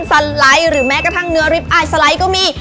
สไลด์หรือแม้กระทั่งเนื้อริปไอสไลด์ก็มี